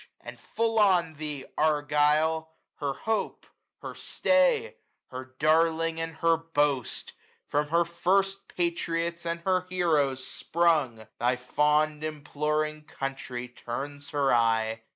And full on thee, Argyll, Her hope, her stay, her darling, and her boast. From her first patriots and her heroes sprung. Thy fond imploring Country turns her eye; •.